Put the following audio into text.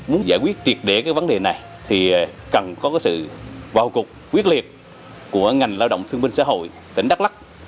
muốn giải quyết triệt để cái vấn đề này thì cần có cái sự vào cuộc quyết liệt của ngành lao động thương minh xã hội tỉnh đắk lắc